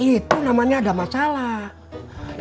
itu namanya ada masalah